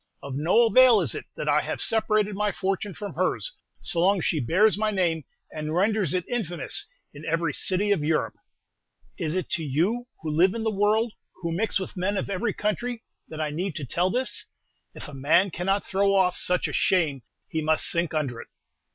Of no avail is it that I have separated my fortune from hers, so long as she bears my name, and renders it infamous in every city of Europe. Is it to you, who live in the world, who mix with men of every country, that I need tell this? If a man cannot throw off such a shame, he must sink under it."